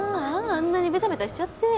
あんなにベタベタしちゃって。